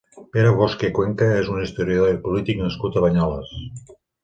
Pere Bosch i Cuenca és un historiador i polític nascut a Banyoles.